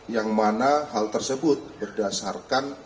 yang mana hal tersebut berdasarkan